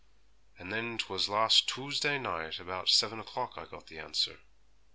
And then 'twas last Toosday night about seven o'clock I got the answer.'